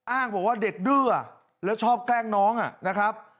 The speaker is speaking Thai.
อ้างบอกว่าเด็กดื้อแล้วชอบแกล้งน้องนะครับ